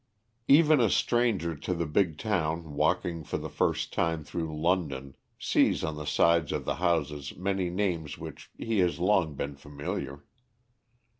Even a stranger to the big town walking for the first time through London, sees on the sides of the houses many names with which he has long been familiar.